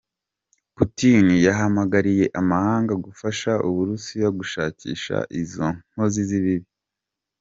Putin yahamagariye amahanga gufasha Uburusiya gushakisha izo nkozi z’ikibi.